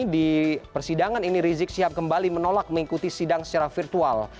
di persidangan ini rizik syihab kembali menolak mengikuti sidang secara virtual